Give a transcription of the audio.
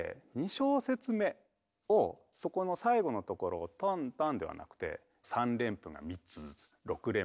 ２小節目をそこの最後のところをタンタンではなくて３連符が３つずつ６連符。